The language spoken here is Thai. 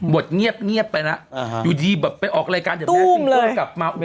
บทเงียบไปนะอยู่ดีแบบไปออกรายการเดี๋ยวแม่กินกลับมา